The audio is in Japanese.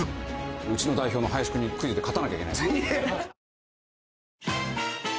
うちの代表の林くんにクイズで勝たなきゃいけない。